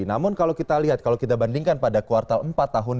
namun kalau kita lihat kalau kita bandingkan pada kuartal empat tahun dua ribu dua puluh